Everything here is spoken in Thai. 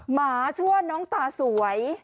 หมาช่วงน้องตาสวย